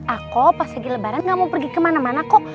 aku pas lagi lebaran gak mau pergi kemana mana kok